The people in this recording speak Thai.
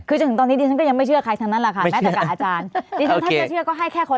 ขึ้นถึงตอนนี้ดิฉันไม่เชื่อใครทั้งนั้นถ้าให้เชื่อก็ให้อยู่กับ๕๐คน